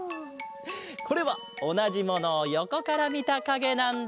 これはおなじものをよこからみたかげなんだ！